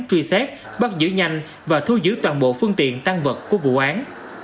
truy xét bắt giữ nhanh và thu giữ toàn bộ phương tiện tăng vật của vụ án